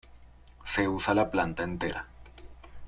Se usa la planta entera.